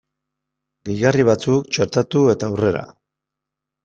Gehigarri batzuk txertatu eta aurrera!